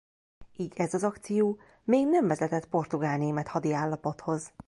Így ez az akció még nem vezetett portugál-német hadiállapothoz.